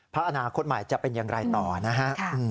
อนาคตใหม่จะเป็นอย่างไรต่อนะฮะ